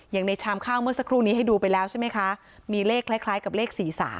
อย่างในชามข้าวเมื่อสักครู่นี้ให้ดูไปแล้วใช่ไหมคะมีเลขคล้ายกับเลข๔๓